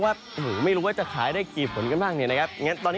ว่าไม่รู้ว่าจะขายได้กี่ผลกันบ้างเนี่ยนะครับตอนนี้